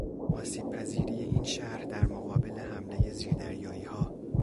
آسیب پذیری این شهر در مقابل حملهی زیر دریاییها